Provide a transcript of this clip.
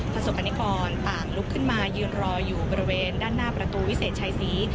ประสบกรณิกรต่างลุกขึ้นมายืนรออยู่บริเวณด้านหน้าประตูวิเศษชัยศรี